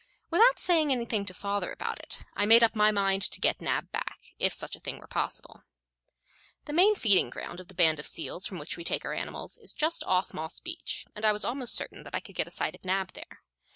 Without saying anything to father about it, I made up my mind to get Nab back, if such a thing were possible. The main feeding ground of the band of seals from which we take our animals is just off Moss Beach, and I was almost certain that I could get a sight of Nab there.